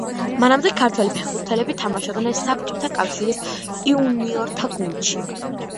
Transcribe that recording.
მანამდე ქართველი ფეხბურთელები თამაშობდნენ საბჭოთა კავშირის იუნიორთა გუნდში.